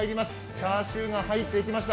チャーシューが入っていきました。